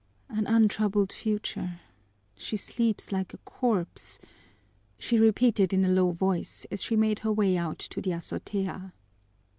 "An untroubled future! She sleeps like a corpse!" she repeated in a low voice as she made her way out to the azotea.